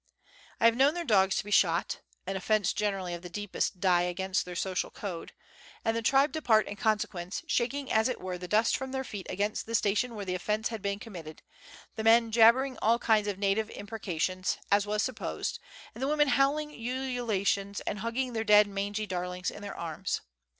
I have known their dogs to be shot (an offence generally of the deepest dye against their social code) and the tribe depart in consequence, shaking as it were the dust from their feet against the station where the offence had been committed, the men jabber ing all kinds of native imprecations, as was supposed, and the women howling ululations and hugging their dead mangy darlings in their arms.